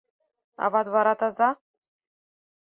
— Ават вара таза?